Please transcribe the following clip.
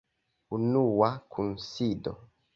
Unua Kunsido.